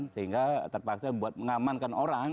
sehingga terpaksa buat mengamankan orang